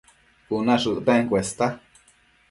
Cuna shëcten cuesta